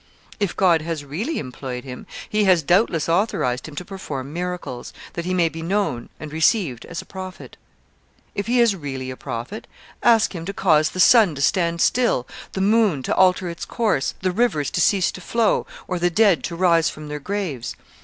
If God has really employed him, He has doubtless authorized him to perform miracles, that he may be known and received as a prophet. If he is really a prophet, ask him to cause the sun to stand still, the moon to alter its course, the rivers to cease to flow, or the dead to rise from their graves.